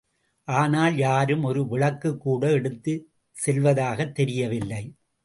ஆனால், யாரும் ஒரு விளக்குக் கூட எடுத்துச் செல்வதாகத் தெரியவில்லை.